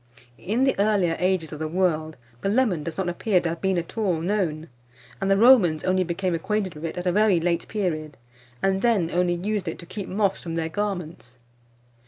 In the earlier ages of the world, the lemon does not appear to have been at all known, and the Romans only became acquainted with it at a very late period, and then only used it to keep moths from their garments.